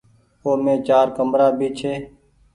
اومي چآر ڪمرآ ڀي ڇي۔